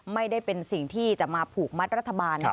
ไม่ได้เป็นสิ่งที่จะมาผูกมัดรัฐบาล